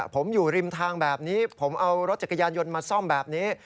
ผมอยู่ริมทางแบบนี้ผมเอารถจักรยานยนต์มาซ่อมแบบนี้